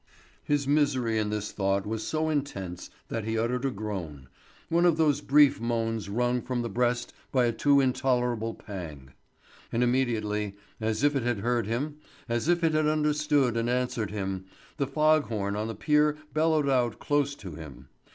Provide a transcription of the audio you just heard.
His misery in this thought was so intense that he uttered a groan, one of those brief moans wrung from the breast by a too intolerable pang. And immediately, as if it had heard him, as if it had understood and answered him, the fog horn on the pier bellowed out close to him.